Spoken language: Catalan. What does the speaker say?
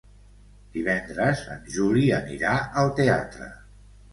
Divendres en Juli anirà al teatre.